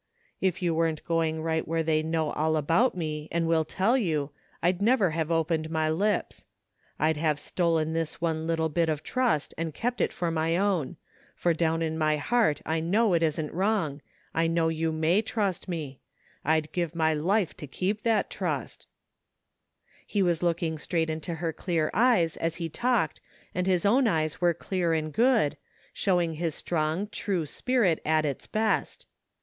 If you weren't going right where they know all about me and will tell you, I'd never have opened my lips. 79 / THE FINDING OF JASPER HOLT I'd have stolen this one little bit of trust and kept it for my own; for down in my heart I know it isn't wrong, I know you may trust me. I'd give my life to keep that trust ^" He was looking straight into her clear eyes as he talked and his own eyes were clear and good, showing his strong, true spirit at its best.